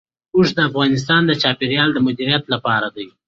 اوښ د افغانستان د چاپیریال د مدیریت لپاره دی.